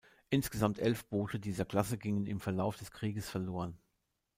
Insgesamt elf Boote dieser Klasse gingen im Verlauf des Krieges verloren.